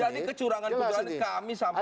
jadi kecurangan kecurangan ini kami sampaikan